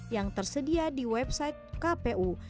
yang tersedia di website kpu